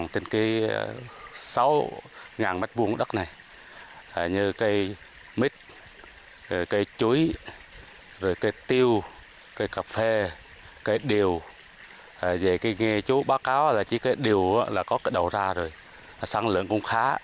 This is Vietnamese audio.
tăng lượng cũng khá